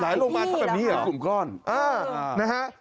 หลายหลงบานควบคุมก้อน